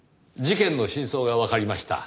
事件の真相がわかりました。